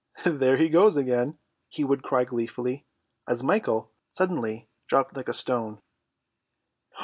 "There he goes again!" he would cry gleefully, as Michael suddenly dropped like a stone.